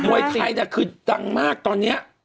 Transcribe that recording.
มวยไทยจริงแต่คือดังมากตอนนี้